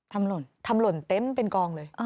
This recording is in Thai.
หล่นทำหล่นเต็มเป็นกองเลย